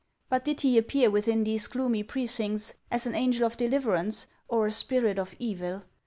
But did he appear within these gloomy precincts as an angel of deliverance, or a spirit of evil